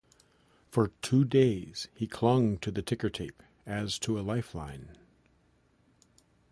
For two days he clung to the ticker tape as to a lifeline.